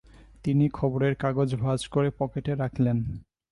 তিনি খবরের কাগজ ভাঁজ করে পকেটে রাখলেন।